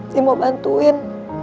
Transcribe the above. saya mau bantuin